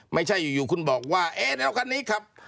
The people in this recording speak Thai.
ไม่ใช่อยู่คุณบอกว่าเอแนวคันนี้ครับ